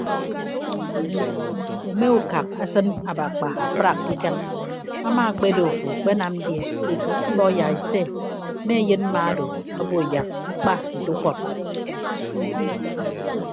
Ume ukak asịn abakpa akpraak ke ikañ ama akpedo afo akpenam die mbọk yak ise mme ayịn mma odo obo yak mkpa nte ukọd.